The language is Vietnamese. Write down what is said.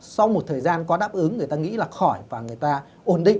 sau một thời gian có đáp ứng người ta nghĩ là khỏi và người ta ổn định